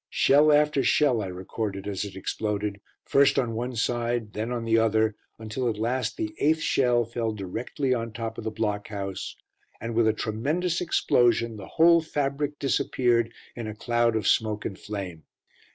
Shell after shell I recorded as it exploded, first on one side then on the other, until at last the eighth shell fell directly on top of the block house, and with a tremendous explosion the whole fabric disappeared in a cloud of smoke and flame.